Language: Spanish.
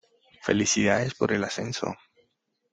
¡Felicidades por el ascenso!